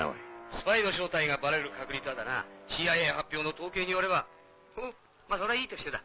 スパイの正体がバレる確率はだなＣＩＡ発表の統計によればハハっそれはいいとしてだ。